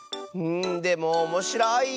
でもおもしろい！